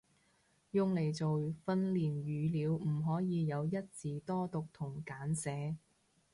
用嚟做訓練語料唔可以有一字多讀同簡寫